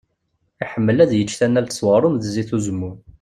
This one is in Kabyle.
Iḥemmel ad icc tanalt s uɣrum d zzit n uzemmur.